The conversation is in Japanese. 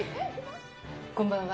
こんばんは。